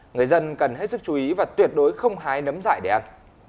người dân cần hết sức chú ý và tuyệt đối không hái nấm dại để ăn